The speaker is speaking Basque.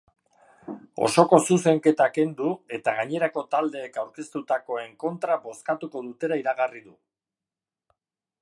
Osoko zuzenketa kendu eta gainerako taldeek aurkeztutakoen kontra bozkatuko dutela iragarri du.